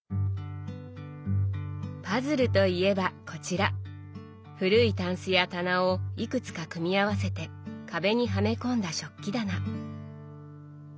パズルといえばこちら古いたんすや棚をいくつか組み合わせて壁にはめ込んだ食器棚。